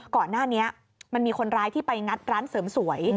ก่อนหน้านี้มันมีคนร้ายที่ไปงัดร้านเสริมสวย